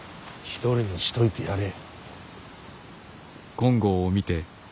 一人にしといてやれ。